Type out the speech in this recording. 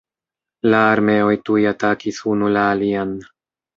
La armeoj tuj atakis unu la alian.